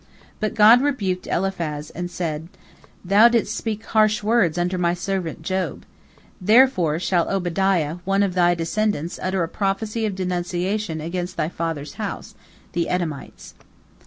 But God rebuked Eliphaz, and said: "Thou didst speak harsh words unto My servant Job. Therefore shall Obadiah, one of thy descendants, utter a prophecy of denunciation against thy father's house, the Edomites."